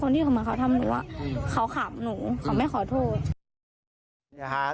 เขาขามหนูเขาไม่ขอโทษ